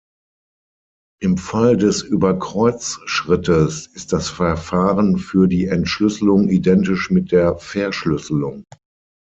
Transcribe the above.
Im Fall des Überkreuz-Schrittes ist das Verfahren für die Entschlüsselung identisch mit der Verschlüsselung.